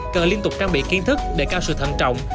tiếp tục trang bị kiến thức để cao sự thận trọng